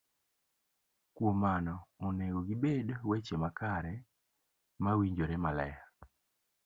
Kuom mano, onego gibed weche makare, mawinjore maler,